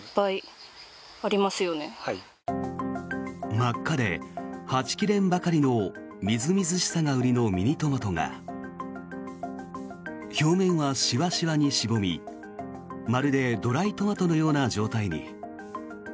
真っ赤で、はち切れんばかりのみずみずしさが売りのミニトマトが表面はしわしわにしぼみまるでドライトマトのような状態に。